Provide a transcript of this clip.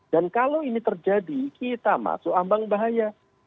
dan kalau ini terjadi kita masuk ambang bahaya